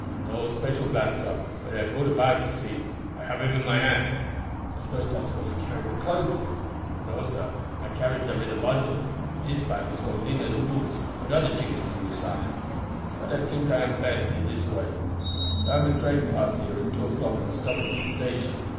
"No special plan, sah, but I have brought a bag; you see I have him in my hand." "I suppose that's what you carried the clothes in?" "No, sir; I carried dem in a bundle. Dis bag has got linen, and boots, and oder tings for you, sah. What I tink am de best way is dis. Dar am a train pass trou here at two o'clock and stop at dis station.